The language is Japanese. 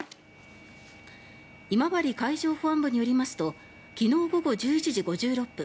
今治海上保安部によりますと昨日午後１１時５６分